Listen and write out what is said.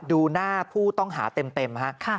ดูหน้าผู้ต้องหาเต็มฮะ